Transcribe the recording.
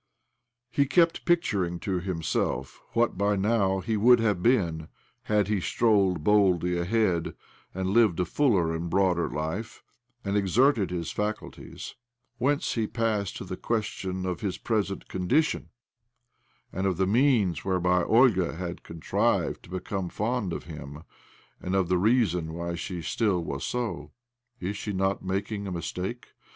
He kept picturing to himself what, by now, he would have been had he strode boldly ahead, and lived a fuller and a broader life, and exerted his faculties ; whence he passed to the question of his present condition, and of the means whereby Olga had contrived to become fond of him, and of the reason why she still was so. " Is she not making a mistake?"